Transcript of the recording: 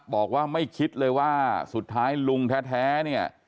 บอกว่าไม่คิดเลยว่าสุดท้ายลุงแท้เนี่ย